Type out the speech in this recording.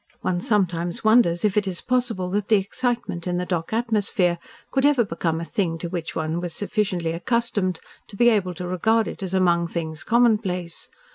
One sometimes wonders if it is possible that the excitement in the dock atmosphere could ever become a thing to which one was sufficiently accustomed to be able to regard it as among things commonplace.